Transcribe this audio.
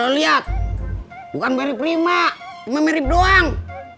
loh lu liat bukan barry prima cuma mirip doang